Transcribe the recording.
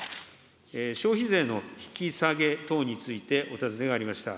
消費税の引き下げ等について、お尋ねがありました。